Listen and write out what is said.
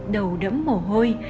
đầu đẫm mổ hôi